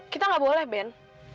kita gak boleh ben